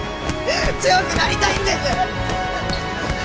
強くなりたいんです！